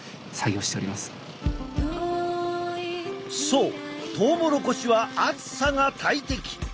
そうトウモロコシは暑さが大敵！